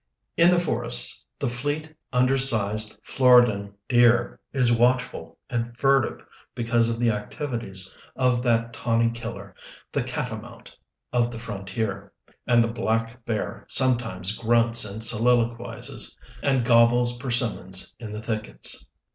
In the forests the fleet, under sized Floridan deer is watchful and furtive because of the activities of that tawny killer, the "catamount" of the frontier; and the black bear sometimes grunts and soliloquizes and gobbles persimmons in the thickets.